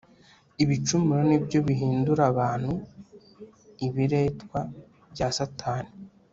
Ibicumuro ni byo bihindurabantu ibiretwa bya Satani